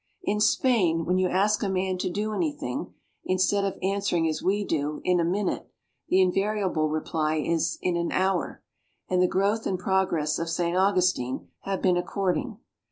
In Spain, when you ask a man to do any thing, instead of answering as we do, "In a minute," the invariable reply is, "In an hour;" and the growth and progress of St. Augustine have been according.